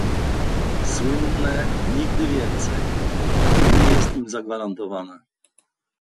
Słynne "nigdy więcej" nie jest im zagwarantowane